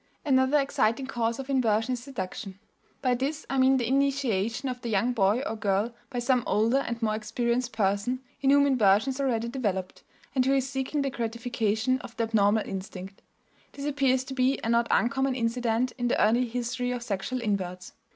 Another exciting cause of inversion is seduction. By this I mean the initiation of the young boy or girl by some older and more experienced person in whom inversion is already developed, and who is seeking the gratification of the abnormal instinct. This appears to be a not uncommon incident in the early history of sexual inverts.